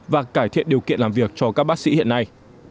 và cải thiện điều kiện làm việc cho các bác sĩ hiện nay